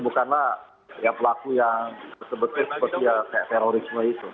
pelaku ini bukanlah pelaku yang sebetul betul seperti ya terorisme itu